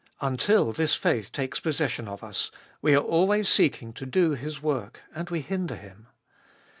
Until this faith takes possession of us, we are always seeking to do His work, and we hinder Him.